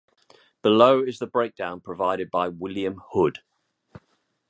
Below is the breakdown provided by William Hood.